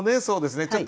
そうですね